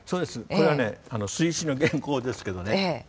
これはね「水死」の原稿ですけどね